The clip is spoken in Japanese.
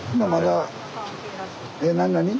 え何何？